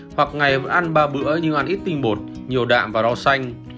hoặc ngày vẫn ăn ba bữa nhưng ăn ít tinh bột nhiều đạm và rau xanh